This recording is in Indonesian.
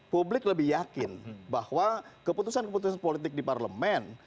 publik lebih yakin bahwa keputusan keputusan politik di parlemen